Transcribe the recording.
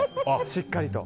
しっかりと。